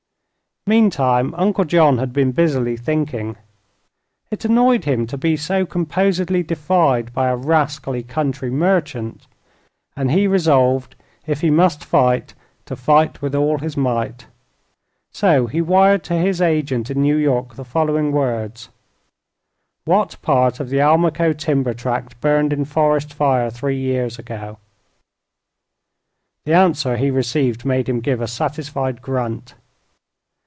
Meantime Uncle John had been busily thinking. It annoyed him to be so composedly defied by a rascally country merchant, and he resolved, if he must fight, to fight with all his might. So he wired to his agent in New York the following words: "What part of the Almaquo timber tract burned in forest fire three years ago?" The answer he received made him give a satisfied grunt.